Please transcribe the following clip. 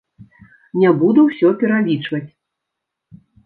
Не буду ўсё пералічваць.